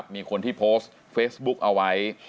มีคนที่โพสต์เฟซบุ๊กเอาไว้